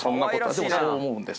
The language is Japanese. でもそう思うんです。